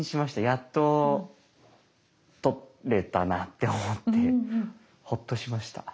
やっと取れたなって思ってホッとしました。